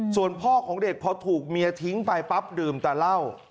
ส่วนพ่อของเด็กพอถูกเมียทิ้งไปปั๊บดื่มแต่เหล้า